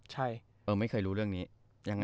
ใช่ไม่เคยรู้เรื่องนี้ยังไง